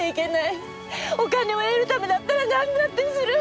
お金を得るためだったらなんだってする。